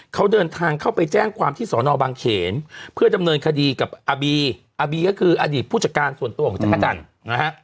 เขาเดินทางเข้าไปแจ้งความที่สอนอบางเขนเพื่อดำเนินคดีกับอาบีอาร์บีก็คืออดีตผู้จัดการส่วนตัวของจักรจันทร์นะฮะ